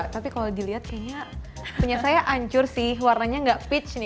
tapi kalau dilihat kayaknya punya saya ancur sih warnanya nggak peach nih